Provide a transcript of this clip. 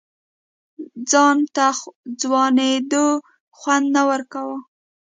ځان ته ځوانېدو خوند نه ورکوه.